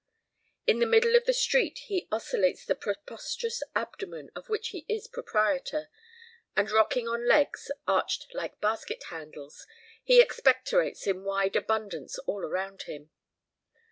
In the middle of the street he oscillates the prosperous abdomen of which he is proprietor, and rocking on legs arched like basket handles, he expectorates in wide abundance all around him.